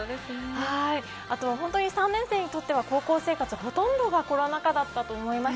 あとはほんとに３年生にとっては高校生活ほとんどがコロナ禍だったと思います。